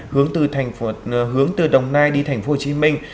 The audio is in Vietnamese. hướng từ đồng nai đi thành phố hồ chí minh